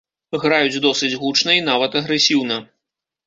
Граюць досыць гучна і нават агрэсіўна.